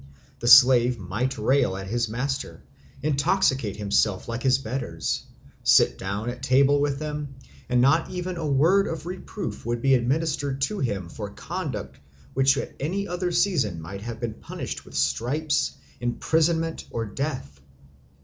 The slave might rail at his master, intoxicate himself like his betters, sit down at table with them, and not even a word of reproof would be administered to him for conduct which at any other season might have been punished with stripes, imprisonment, or death.